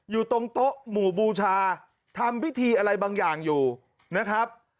อยู่ตรงโต๊ะหมู่บูชาทำพิธีอะไรบางอย่างอยู่นะครับ